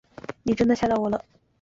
你真的吓到我了